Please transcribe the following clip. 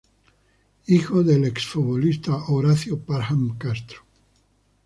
Hijo del ex futbolista Horacio Parham Castro.